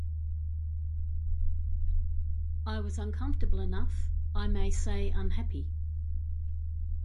I was uncomfortable enough, I may say unhappy.